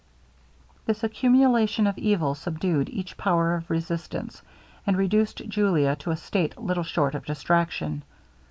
This accumulation of evil subdued each power of resistance, and reduced Julia to a state little short of distraction.